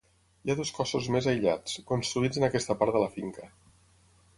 Hi ha dos cossos més aïllats, construïts en aquesta part de la finca.